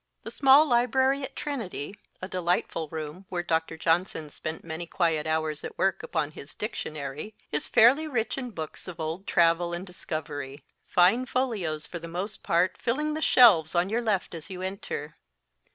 The small library at Trinity a delightful room, where Dr. Johnson spent many quiet hours at work upon his Dictionary is fairly rich in books of old travel and dis covery ; fine folios, for the most part, filling the shelves on your left as you enter.